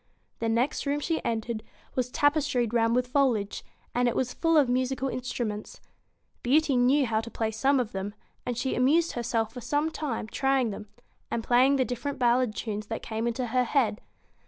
The next room she entered was tapestried round with foliage, and it was full of musical instruments. Beauty knew how to play some of them ; and she amused herself for some time trying them, and playing the different ballad tunes that came into her head.